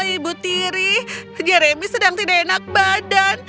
ibu tiri jeremy sedang tidak enak badan